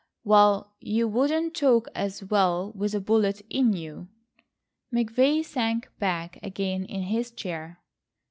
"Well, you wouldn't talk as well with a bullet in you." McVay sank back again in his chair.